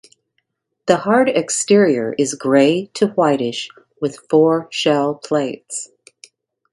The hard exterior is grey to whitish with four shell plates.